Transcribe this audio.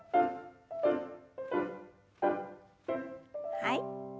はい。